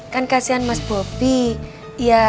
kan kasihan mas bobby